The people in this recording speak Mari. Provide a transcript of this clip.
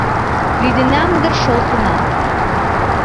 Лӱдынам дыр шол тунам...